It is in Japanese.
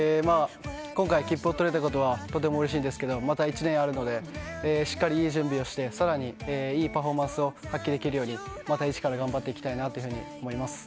今回切符をとれたことはとてもうれしいんですけどまだ１年あるのでしっかり準備をして更にいいパフォーマンスを発揮できるようにまた一から頑張っていきたいなと思います。